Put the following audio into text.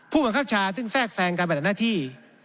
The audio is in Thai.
๓ผู้บังคับชาซึ่งแทรกแทรกการแบดหน้าที่